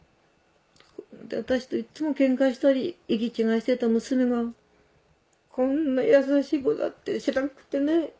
私といっつもケンカしたり行き違いしてた娘がこんな優しい子だって知らんくってね。